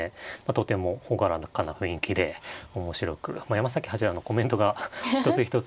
とても朗らかな雰囲気で面白く山崎八段のコメントが一つ一つ